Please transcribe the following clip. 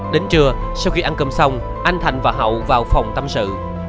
đến trưa sau khi ăn cơm xong anh thành và hậu vào phòng tâm sự